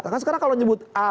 kan sekarang kalau nyebut